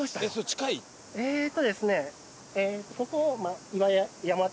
えーっとですね。